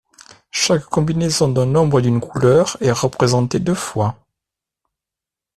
Chaque combinaison d'un nombre et d'une couleur est représentée deux fois.